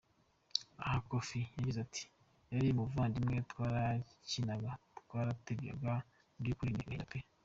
Aha Koffi yagize ati :” yari umuvandimwe, twarakinaga twaratebyaga, mubyukuri ni agahinda pe.”